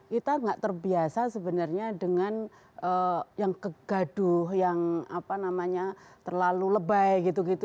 kita nggak terbiasa sebenarnya dengan yang kegaduh yang apa namanya terlalu lebay gitu gitu